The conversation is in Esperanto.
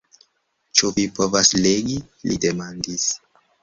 Ĉu vi povas legi? li demandis.